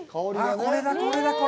これだ、これだ、これ！